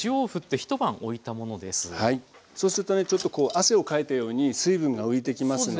そうするとねちょっとこう汗をかいたように水分が浮いてきますので。